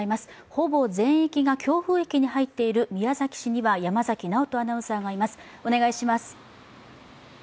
ほぼ全域が強風域に入っている宮崎市には山崎直人アナウンサーがいます。